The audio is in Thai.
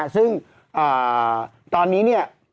ซึ่งตอนนี้เนี่ย